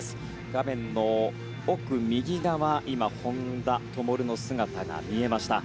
画面の奥右側に本多灯の姿が見えました。